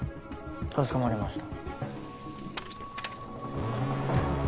かしこまりました。